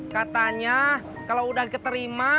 katanya kalau udah keterima